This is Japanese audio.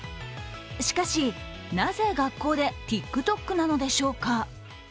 しかし、なぜ学校でＴｉｋＴｏｋなのでしょうか。